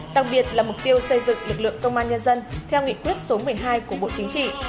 đặc biệt là mục tiêu xây dựng lực lượng công an nhân dân theo nghị quyết số một mươi hai của bộ chính trị